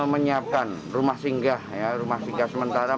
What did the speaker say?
menyiapkan rumah singgah rumah singgah sementara